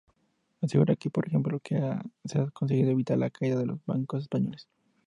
Asegura, por ejemplo, que ha conseguido evitar la caída de los bancos españoles.